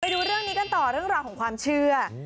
ดูเรื่องนี้กันต่อเรื่องราวของความเชื่อ